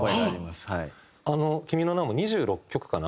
『君の名は。』も２６曲かな？